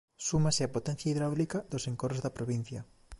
Súmase a potencia hidráulica dos encoros da provincia.